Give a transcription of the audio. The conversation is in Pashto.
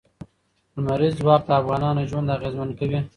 لمریز ځواک د افغانانو ژوند اغېزمن کوي.